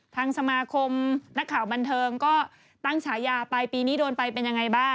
ทางสมาคมนักข่าวบันเทิงก็ตั้งฉายาไปปีนี้โดนไปเป็นยังไงบ้าง